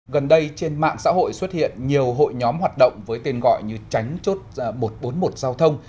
gần đây trên mạng xã hội xuất hiện nhiều hội nhóm hoạt động với tên gọi như tránh chốt một trăm bốn mươi một giao thông